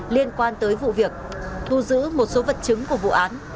với vụ việc thu giữ một số vật chứng của vụ án